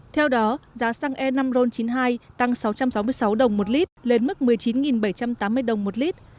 theo đó giá xăng e năm ron chín mươi hai tăng sáu trăm sáu mươi sáu đồng một lít lên mức một mươi chín bảy trăm tám mươi đồng một lít